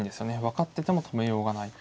分かってても止めようがない。